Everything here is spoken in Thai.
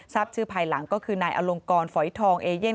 ทราบชื่อภายหลังก็คือนายอลงกรฝอยทองเอเย่น